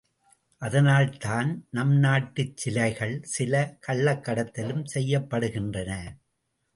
அதனால்தான் நம் நாட்டுச் சிலைகள் சில கள்ளக்கடத்தலும் செய்யப்படுகின்றன.